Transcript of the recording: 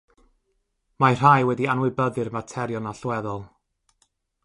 Mae rhai wedi anwybyddu'r materion allweddol.